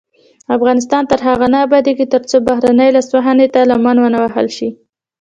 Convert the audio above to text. افغانستان تر هغو نه ابادیږي، ترڅو بهرنۍ لاسوهنې ته لمن ونه وهل شي.